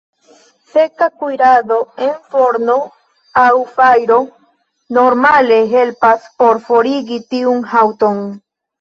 Seka kuirado en forno aŭ fajro normale helpas por forigi tiun haŭton.